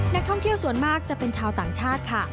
นักท่องเที่ยวส่วนมากจะเป็นชาวต่างชาติค่ะ